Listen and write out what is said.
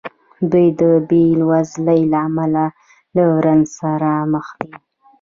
دوی د بېوزلۍ له امله له رنځ سره مخ دي.